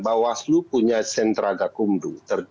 bawaslu punya sentraga kumdu